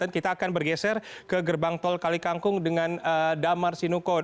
kita akan bergeser ke gerbang tol kalikangkung dengan damar sinuko